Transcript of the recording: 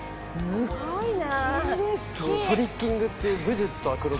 「すごいね！」